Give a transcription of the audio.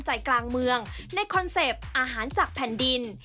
ใจกลางเมืองในคอนเซ็ปต์อาหารจากแผ่นดิน